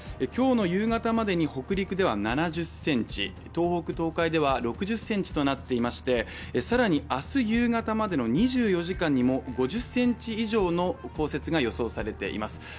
今日の夕方までに北陸で７０ｃｍ、東北・東海では６０ｃｍとなっていまして、更に明日、夕方までの２４時間にも５０ｃｍ以上の降雪が予想されています。